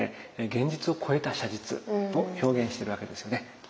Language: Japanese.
現実を超えた写実を表現してるわけですよね。